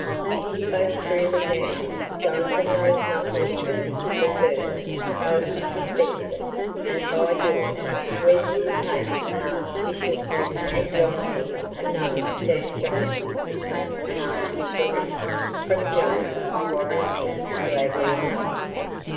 He spoke freely now: "Jonathan knows nothing of this for certain, though he suspects it, and by George, Webb will take an Archbishopric, and Jonathan a no, damme Jonathan will take an Arch bishopric from James, I warrant me, gladly enough.